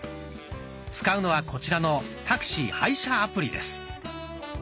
使うのはこちらの「タクシー配車アプリ」です。